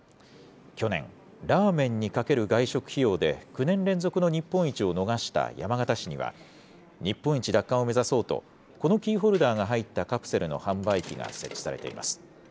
去年、ラーメンにかける外食費用で９年連続の日本一を逃した山形市には、日本一奪還を目指そうと、このキーホルダーが入ったカプセルの販売機が設置されています。